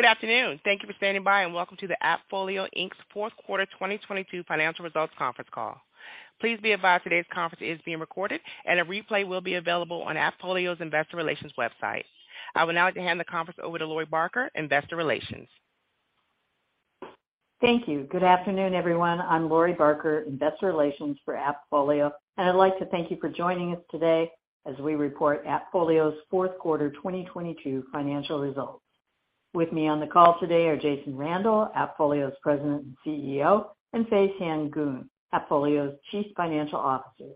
Good afternoon. Thank you for standing by, welcome to the AppFolio, Inc.'s fourth quarter 2022 financial results conference call. Please be advised today's conference is being recorded, a replay will be available on AppFolio's investor relations website. I would now like to hand the conference over to Lori Barker, Investor Relations. Thank you. Good afternoon, everyone. I'm Lori Barker, investor relations for AppFolio, I'd like to thank you for joining us today as we report AppFolio's fourth quarter 2022 financial results. With me on the call today are Jason Randall, AppFolio's President and CEO, and Fay Sien Goon, AppFolio's Chief Financial Officer.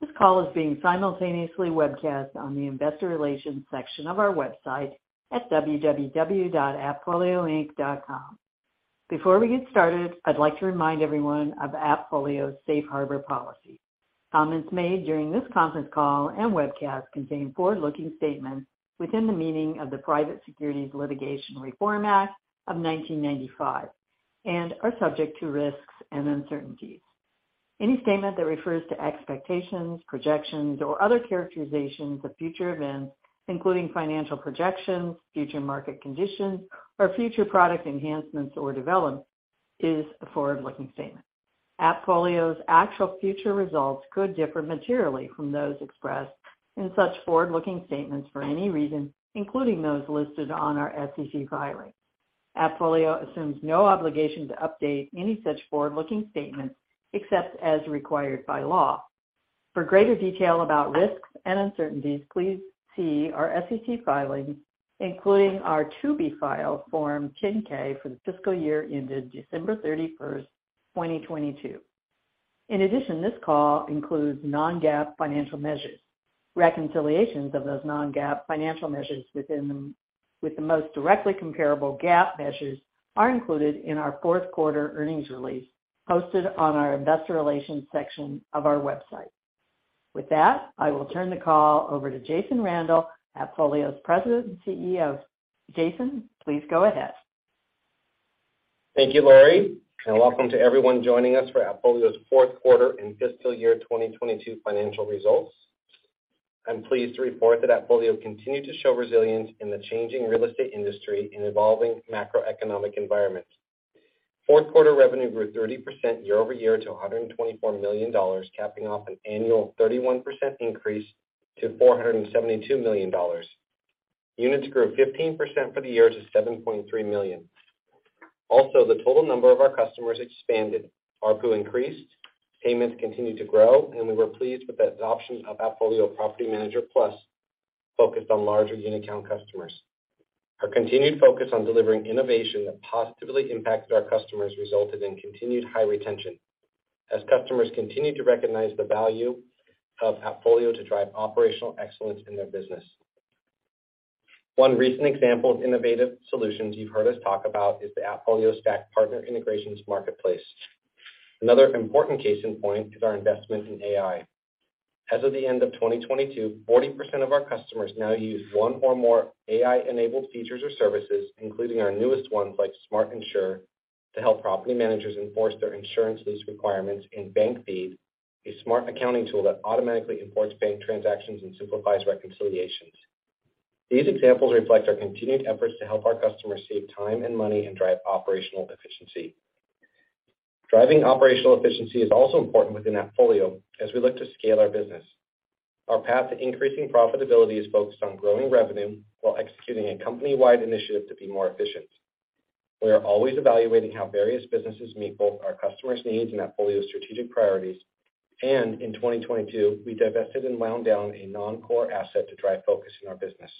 This call is being simultaneously webcast on the investor relations section of our website at www.appfolioinc.com. Before we get started, I'd like to remind everyone of AppFolio's safe harbor policy. Comments made during this conference call and webcast contain forward-looking statements within the meaning of the Private Securities Litigation Reform Act of 1995 and are subject to risks and uncertainties. Any statement that refers to expectations, projections, or other characterizations of future events, including financial projections, future market conditions, or future product enhancements or developments, is a forward-looking statement. AppFolio's actual future results could differ materially from those expressed in such forward-looking statements for any reason, including those listed on our SEC filing. AppFolio assumes no obligation to update any such forward-looking statements except as required by law. For greater detail about risks and uncertainties, please see our SEC filing, including our to-be-filed Form 10-K for the fiscal year ended December 31, 2022. In addition, this call includes non-GAAP financial measures. Reconciliations of those non-GAAP financial measures with the most directly comparable GAAP measures are included in our fourth quarter earnings release posted on our investor relations section of our website. With that, I will turn the call over to Jason Randall, AppFolio's president and CEO. Jason, please go ahead. Thank you, Lori, welcome to everyone joining us for AppFolio's fourth quarter and fiscal year 2022 financial results. I'm pleased to report that AppFolio continued to show resilience in the changing real estate industry in evolving macroeconomic environment. Fourth quarter revenue grew 30% year-over-year to $124 million, capping off an annual 31% increase to $472 million. Units grew 15% for the year to 7.3 million. The total number of our customers expanded, ARPU increased, payments continued to grow, and we were pleased with the adoption of AppFolio Property Manager Plus focused on larger unit count customers. Our continued focus on delivering innovation that positively impacted our customers resulted in continued high retention as customers continued to recognize the value of AppFolio to drive operational excellence in their business. One recent example of innovative solutions you've heard us talk about is the AppFolio Stack Partner Integrations Marketplace. Another important case in point is our investment in AI. As of the end of 2022, 40% of our customers now use one or more AI-enabled features or services, including our newest ones like Smart Insure, to help property managers enforce their insurance lease requirements, and Bank Feed, a smart accounting tool that automatically imports bank transactions and simplifies reconciliations. These examples reflect our continued efforts to help our customers save time and money and drive operational efficiency. Driving operational efficiency is also important within AppFolio as we look to scale our business. Our path to increasing profitability is focused on growing revenue while executing a company-wide initiative to be more efficient. We are always evaluating how various businesses meet both our customers' needs and AppFolio's strategic priorities. In 2022, we divested and wound down a non-core asset to drive focus in our business.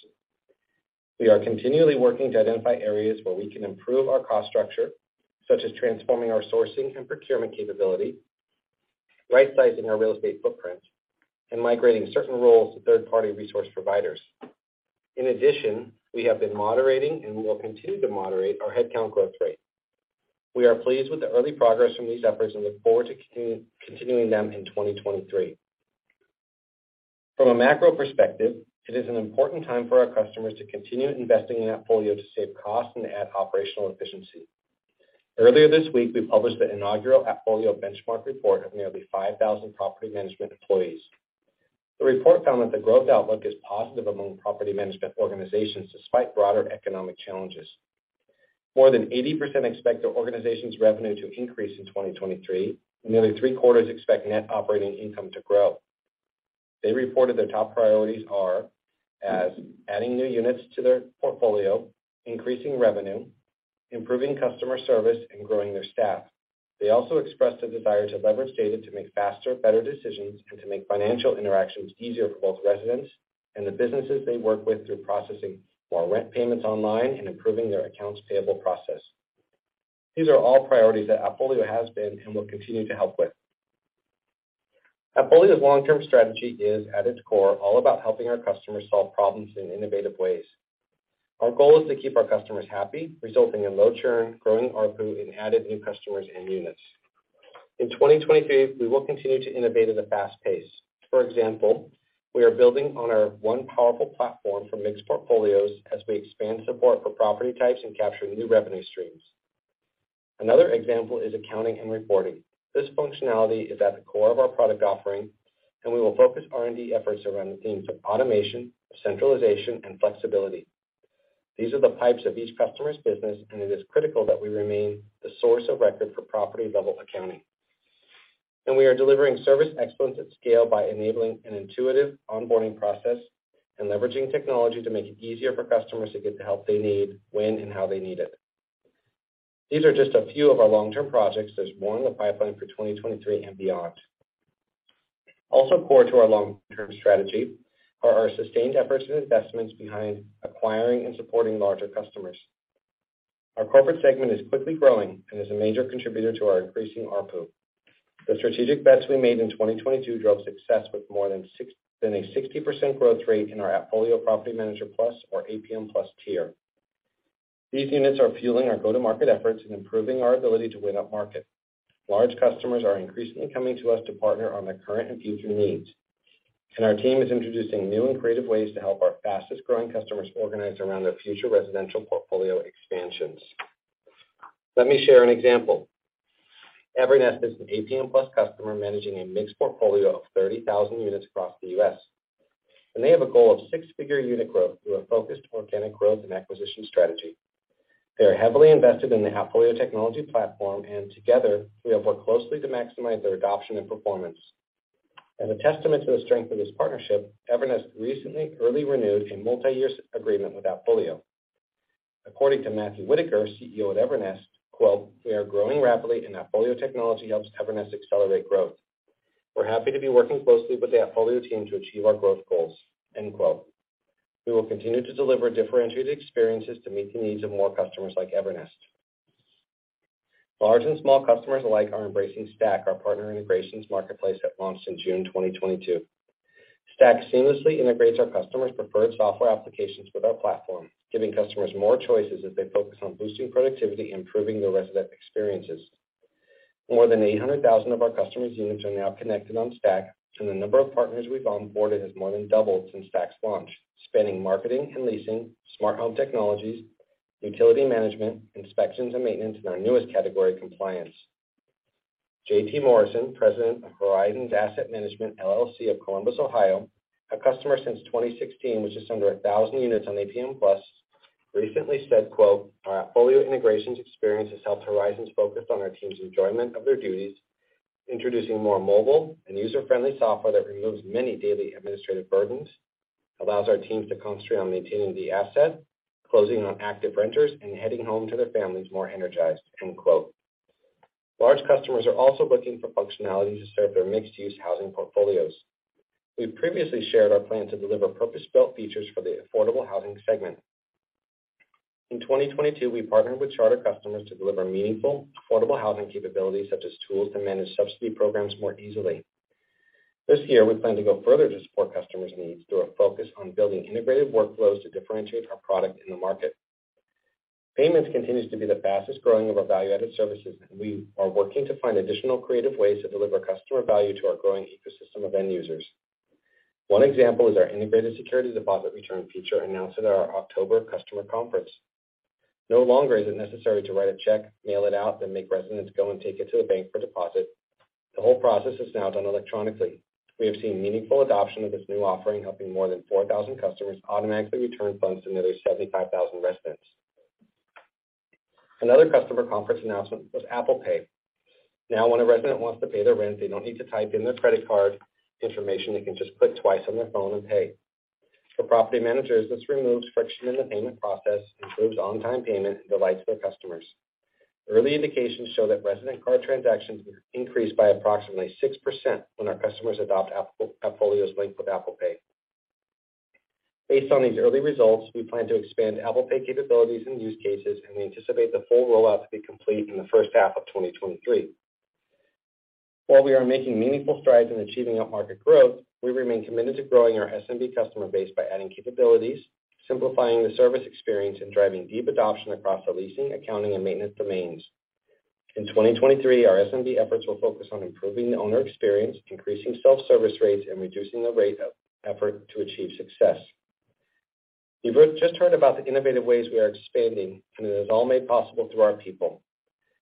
We are continually working to identify areas where we can improve our cost structure, such as transforming our sourcing and procurement capability, right-sizing our real estate footprint, and migrating certain roles to third-party resource providers. In addition, we have been moderating and will continue to moderate our headcount growth rate. We are pleased with the early progress from these efforts and look forward to continuing them in 2023. From a macro perspective, it is an important time for our customers to continue investing in AppFolio to save costs and add operational efficiency. Earlier this week, we published the inaugural AppFolio Property Management Benchmark Report of nearly 5,000 property management employees. The report found that the growth outlook is positive among property management organizations despite broader economic challenges. More than 80% expect their organization's revenue to increase in 2023, and nearly three-quarters expect net operating income to grow. They reported their top priorities are as adding new units to their portfolio, increasing revenue, improving customer service, and growing their staff. They also expressed a desire to leverage data to make faster, better decisions and to make financial interactions easier for both residents and the businesses they work with through processing more rent payments online and improving their accounts payable process. These are all priorities that AppFolio has been and will continue to help with. AppFolio's long-term strategy is, at its core, all about helping our customers solve problems in innovative ways. Our goal is to keep our customers happy, resulting in low churn, growing ARPU, and added new customers and units. In 2023, we will continue to innovate at a fast pace. For example, we are building on our one powerful platform for mixed portfolios as we expand support for property types and capture new revenue streams. Another example is accounting and reporting. This functionality is at the core of our product offering, and we will focus R&D efforts around the themes of automation, centralization, and flexibility. These are the pipes of each customer's business, and it is critical that we remain the source of record for property-level accounting. We are delivering service excellence at scale by enabling an intuitive onboarding process and leveraging technology to make it easier for customers to get the help they need when and how they need it. These are just a few of our long-term projects. There's more in the pipeline for 2023 and beyond. Also core to our long-term strategy are our sustained efforts and investments behind acquiring and supporting larger customers. Our corporate segment is quickly growing and is a major contributor to our increasing ARPU. The strategic bets we made in 2022 drove success with more than a 60% growth rate in our AppFolio Property Manager Plus or APM Plus tier. These units are fueling our go-to-market efforts and improving our ability to win upmarket. Large customers are increasingly coming to us to partner on their current and future needs, and our team is introducing new and creative ways to help our fastest-growing customers organize around their future residential portfolio expansions. Let me share an example. Evernest is an APM Plus customer managing a mixed portfolio of 30,000 units across the U.S., and they have a goal of six-figure unit growth through a focused organic growth and acquisition strategy. They are heavily invested in the AppFolio technology platform. Together, we have worked closely to maximize their adoption and performance. As a testament to the strength of this partnership, Evernest recently early renewed a multiyear agreement with AppFolio. According to Matthew Whitaker, CEO at Evernest, "We are growing rapidly. AppFolio technology helps Evernest accelerate growth. We're happy to be working closely with the AppFolio team to achieve our growth goals." We will continue to deliver differentiated experiences to meet the needs of more customers like Evernest. Large and small customers alike are embracing Stack, our partner integrations marketplace that launched in June 2022. Stack seamlessly integrates our customers' preferred software applications with our platform, giving customers more choices as they focus on boosting productivity and improving their resident experiences. More than 800,000 of our customers' units are now connected on Stack, and the number of partners we've onboarded has more than doubled since Stack's launch, spanning marketing and leasing, smart home technologies, utility management, inspections and maintenance, and our newest category, compliance. J.T. Morrison, President of Horizons Asset Management LLC of Columbus, Ohio, a customer since 2016 with just under 1,000 units on APM Plus, recently said, quote, "Our AppFolio integrations experience has helped Horizons focus on our team's enjoyment of their duties, introducing more mobile and user-friendly software that removes many daily administrative burdens, allows our teams to concentrate on maintaining the asset, closing on active renters, and heading home to their families more energized." End quote. Large customers are also looking for functionality to serve their mixed-use housing portfolios. We've previously shared our plan to deliver purpose-built features for the affordable housing segment. In 2022, we partnered with charter customers to deliver meaningful affordable housing capabilities, such as tools to manage subsidy programs more easily. This year, we plan to go further to support customers' needs through a focus on building integrated workflows to differentiate our product in the market. Payments continues to be the fastest-growing of our value-added services. We are working to find additional creative ways to deliver customer value to our growing ecosystem of end users. One example is our integrated security deposit return feature announced at our October customer conference. No longer is it necessary to write a check, mail it out, then make residents go and take it to a bank for deposit. The whole process is now done electronically. We have seen meaningful adoption of this new offering, helping more than 4,000 customers automatically return funds to nearly 75,000 residents. Another customer conference announcement was Apple Pay. Now when a resident wants to pay their rent, they don't need to type in their credit card information. They can just click twice on their phone and pay. For property managers, this removes friction in the payment process, improves on-time payment, and delights their customers. Early indications show that resident card transactions have increased by approximately 6% when our customers adopt AppFolio's link with Apple Pay. Based on these early results, we plan to expand Apple Pay capabilities and use cases, and we anticipate the full rollout to be complete in the first half of 2023. While we are making meaningful strides in achieving upmarket growth, we remain committed to growing our SMB customer base by adding capabilities, simplifying the service experience, and driving deep adoption across the leasing, accounting, and maintenance domains. In 2023, our SMB efforts will focus on improving the owner experience, increasing self-service rates, and reducing the rate of effort to achieve success. You've just heard about the innovative ways we are expanding, and it is all made possible through our people.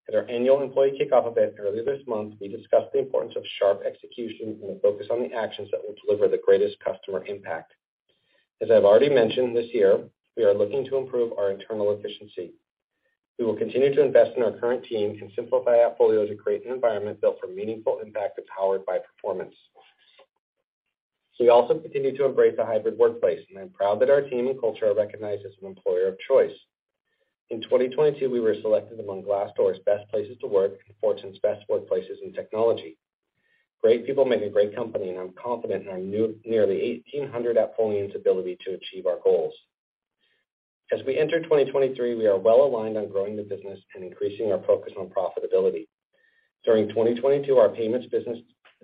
At our annual employee kickoff event earlier this month, we discussed the importance of sharp execution and the focus on the actions that will deliver the greatest customer impact. As I've already mentioned this year, we are looking to improve our internal efficiency. We will continue to invest in our current team and simplify AppFolio to create an environment built for meaningful impact that's powered by performance. We also continue to embrace the hybrid workplace, and I'm proud that our team and culture are recognized as an employer of choice. In 2022, we were selected among Glassdoor's Best Places to Work and Fortune's Best Workplaces in Technology. Great people make a great company, and I'm confident in our nearly 1,800 AppFolians' ability to achieve our goals. As we enter 2023, we are well-aligned on growing the business and increasing our focus on profitability. During 2022, our payments business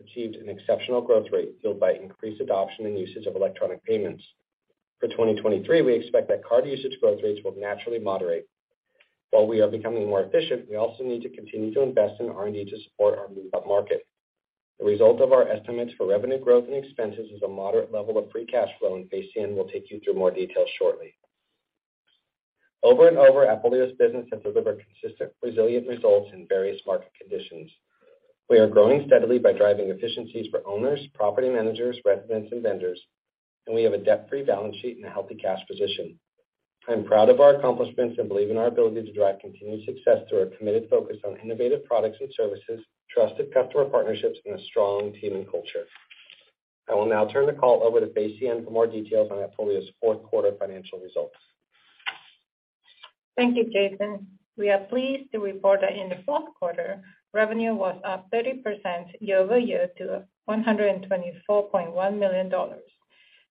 achieved an exceptional growth rate fueled by increased adoption and usage of electronic payments. For 2023, we expect that card usage growth rates will naturally moderate. While we are becoming more efficient, we also need to continue to invest in R&D to support our move upmarket. The result of our estimates for revenue growth and expenses is a moderate level of free cash flow, and Fay Sien will take you through more details shortly. Over and over, AppFolio's business has delivered consistent resilient results in various market conditions. We are growing steadily by driving efficiencies for owners, property managers, residents, and vendors, and we have a debt-free balance sheet and a healthy cash position. I'm proud of our accomplishments and believe in our ability to drive continued success through our committed focus on innovative products and services, trusted customer partnerships, and a strong team and culture. I will now turn the call over to Fay Sien for more details on AppFolio's fourth quarter financial results. Thank you, Jason. We are pleased to report that in the fourth quarter, revenue was up 30% year-over-year to $124.1 million.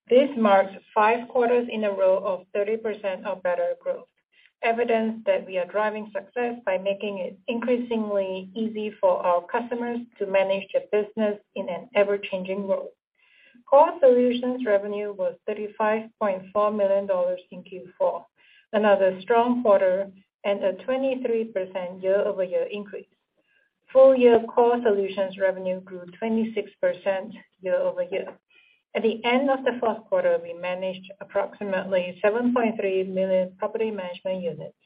This marks five quarters in a row of 30% or better growth, evidence that we are driving success by making it increasingly easy for our customers to manage their business in an ever-changing world. Core Solutions revenue was $35.4 million in Q4, another strong quarter and a 23% year-over-year increase. Full year Core Solutions revenue grew 26% year-over-year. At the end of the fourth quarter, we managed approximately 7.3 million property management units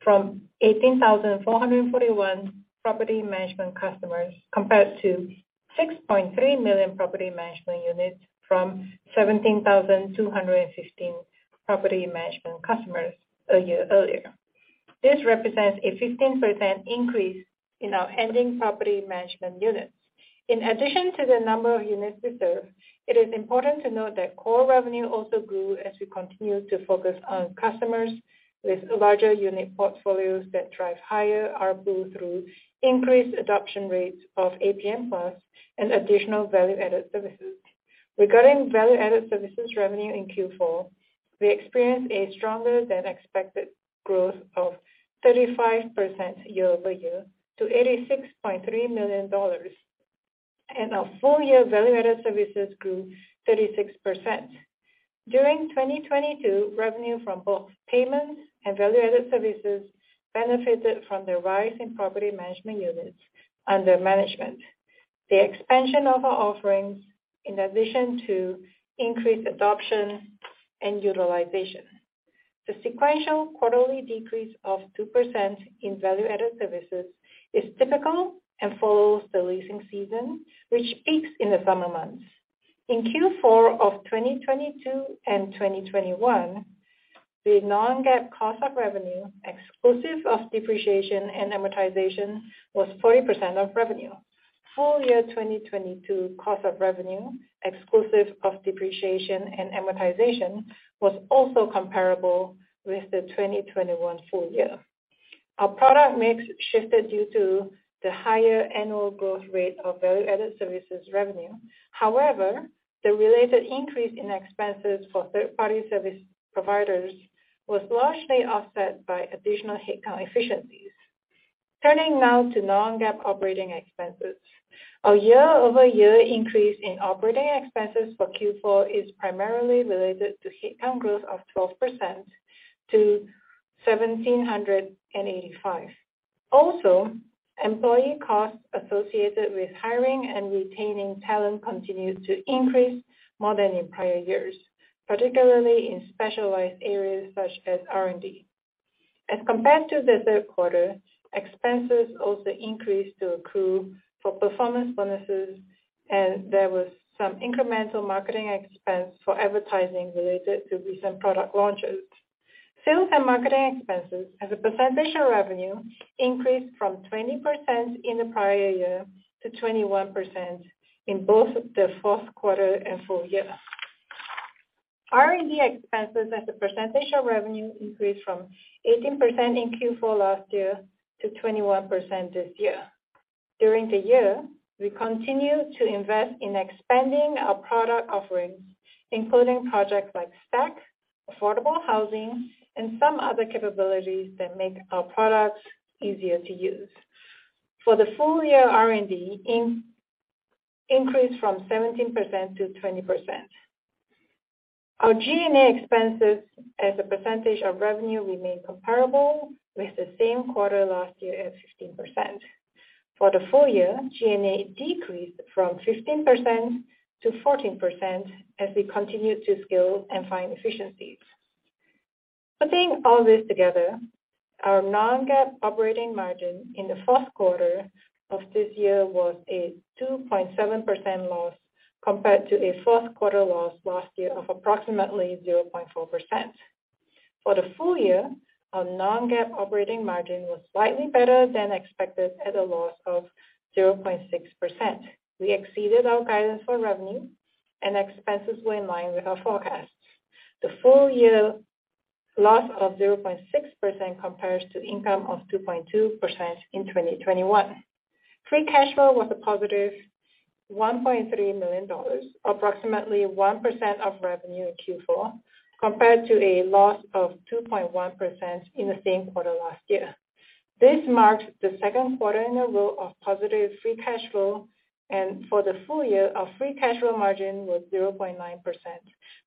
from 18,441 property management customers, compared to 6.3 million property management units from 17,216 property management customers a year earlier. This represents a 15% increase in our ending property management units. In addition to the number of units we serve, it is important to note that core revenue also grew as we continued to focus on customers with larger unit portfolios that drive higher ARPU through increased adoption rates of APM Plus and additional value-added services. Regarding value-added services revenue in Q4, we experienced a stronger than expected growth of 35% year-over-year to $86.3 million. Our full year value-added services grew 36%. During 2022, revenue from both payments and value-added services benefited from the rise in property management units under management, the expansion of our offerings in addition to increased adoption and utilization. The sequential quarterly decrease of 2% in value-added services is typical and follows the leasing season, which peaks in the summer months. In Q4 of 2022 and 2021, the non-GAAP cost of revenue, exclusive of depreciation and amortization, was 40% of revenue. Full year 2022 cost of revenue, exclusive of depreciation and amortization, was also comparable with the 2021 full year. Our product mix shifted due to the higher annual growth rate of value-added services revenue. The related increase in expenses for third-party service providers was largely offset by additional headcount efficiencies. Turning now to non-GAAP operating expenses. Our year-over-year increase in operating expenses for Q4 is primarily related to headcount growth of 12% to 1,785. Employee costs associated with hiring and retaining talent continued to increase more than in prior years, particularly in specialized areas such as R&D. As compared to the third quarter, expenses also increased to accrue for performance bonuses, and there was some incremental marketing expense for advertising related to recent product launches. Sales and marketing expenses as a percentage of revenue increased from 20% in the prior year to 21% in both the fourth quarter and full year. R&D expenses as a percentage of revenue increased from 18% in Q4 last year to 21% this year. During the year, we continued to invest in expanding our product offerings, including projects like Stack, affordable housing, and some other capabilities that make our products easier to use. For the full year, R&D increased from 17% to 20%. Our G&A expenses as a percentage of revenue remained comparable with the same quarter last year at 15%. For the full year, G&A decreased from 15% to 14% as we continued to scale and find efficiencies. Putting all this together, our non-GAAP operating margin in the fourth quarter of this year was a 2.7% loss, compared to a fourth quarter loss last year of approximately 0.4%. For the full year, our non-GAAP operating margin was slightly better than expected at a loss of 0.6%. We exceeded our guidance for revenue, expenses were in line with our forecasts. The full year loss of 0.6% compares to income of 2.2% in 2021. Free cash flow was a positive $1.3 million, approximately 1% of revenue in Q4, compared to a loss of 2.1% in the same quarter last year. This marks the second quarter in a row of positive free cash flow. For the full year, our free cash flow margin was 0.9%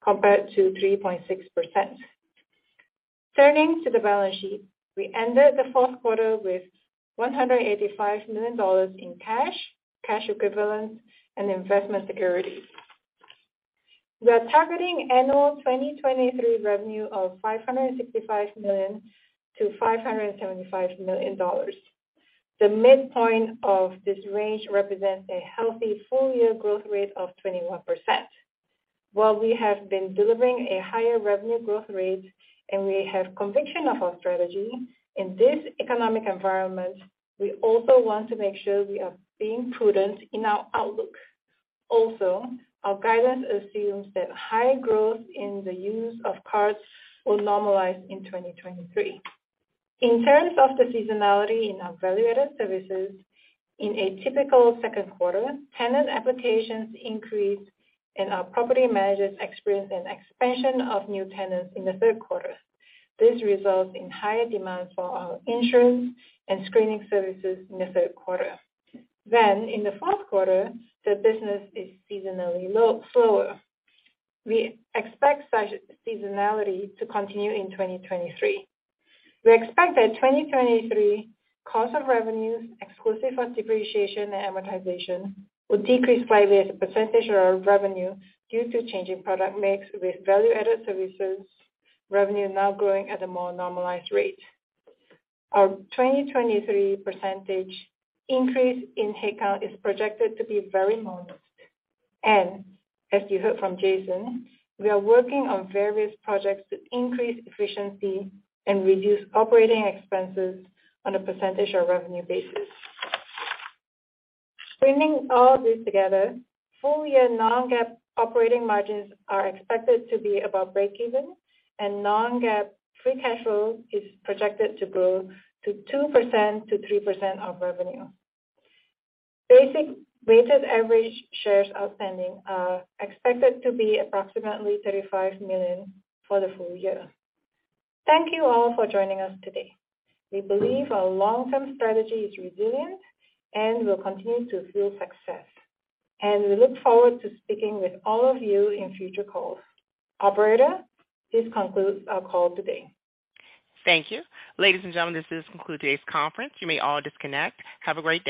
compared to 3.6%. Turning to the balance sheet, we ended the fourth quarter with $185 million in cash equivalents, and investment securities. We are targeting annual 2023 revenue of $565 million-$575 million. The midpoint of this range represents a healthy full-year growth rate of 21%. While we have been delivering a higher revenue growth rate and we have conviction of our strategy, in this economic environment, we also want to make sure we are being prudent in our outlook. Our guidance assumes that high growth in the use of cards will normalize in 2023. In terms of the seasonality in our value-added services, in a typical second quarter, tenant applications increase, and our property managers experience an expansion of new tenants in the third quarter. This results in higher demand for our insurance and screening services in the third quarter. In the fourth quarter, the business is seasonally slower. We expect such seasonality to continue in 2023. We expect that 2023 cost of revenues, exclusive of depreciation and amortization, will decrease slightly as a % of our revenue due to changing product mix with value-added services revenue now growing at a more normalized rate. Our 2023 % increase in headcount is projected to be very modest. As you heard from Jason, we are working on various projects to increase efficiency and reduce operating expenses on a % of revenue basis. Bringing all this together, full year non-GAAP operating margins are expected to be above breakeven, and non-GAAP free cash flow is projected to grow to 2%-3% of revenue. Basic weighted average shares outstanding are expected to be approximately 35 million for the full year. Thank you all for joining us today. We believe our long-term strategy is resilient and will continue to fuel success. We look forward to speaking with all of you in future calls. Operator, this concludes our call today. Thank you. Ladies and gentlemen, this does conclude today's conference. You may all disconnect. Have a great day.